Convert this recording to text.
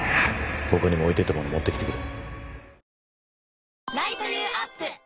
他にも置いていったもの持ってきてくれ。